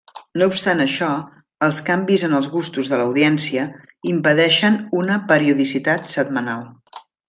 No obstant això, els canvis en els gustos de l'audiència impedeixen una periodicitat setmanal.